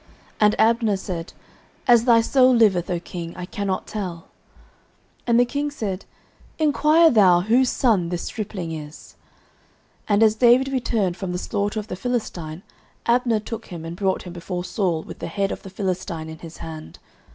And Abner said, As thy soul liveth, O king, I cannot tell. 09:017:056 And the king said, Enquire thou whose son the stripling is. 09:017:057 And as David returned from the slaughter of the Philistine, Abner took him, and brought him before Saul with the head of the Philistine in his hand.